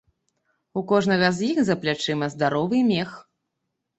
У кожнага з іх за плячыма здаровы мех.